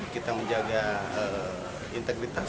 kita menjaga integritas